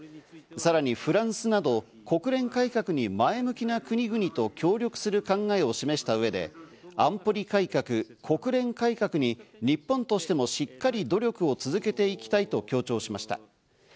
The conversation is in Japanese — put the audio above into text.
さらにフランスなど国連改革に前向きな国々と協力する考えを示した上で、安保理改革、国連改革に日本としてもしっかり努力を続けていきたいと強調しました。